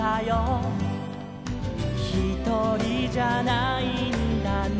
「ひとりじゃないんだね」